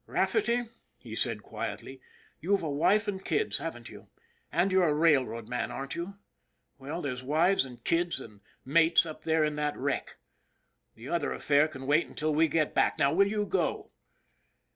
* Rafferty," he said quietly, " you've a wife and kids, haven't you? And you're a railroad man, aren't you ? Well, there's wives and kids and mates up there in that wreck. The other affair can wait until we get back. Now, will you go